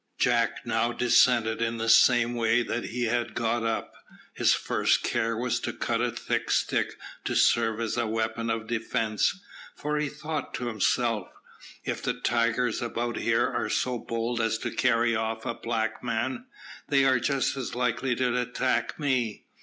Jack now descended in the same way that he had got up. His first care was to cut a thick stick to serve as a weapon of defence, for he thought to himself, "If the tigers about here are so bold as to carry off a black man, they are just as likely to attack me."